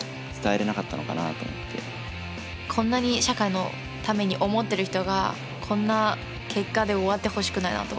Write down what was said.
こんなに社会のために思ってる人がこんな結果で終わってほしくないなと思った。